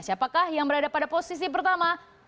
siapakah yang berada pada posisi pertama